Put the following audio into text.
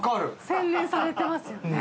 洗練されてますよね。